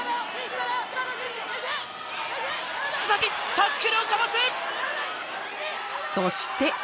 タックルをかわす！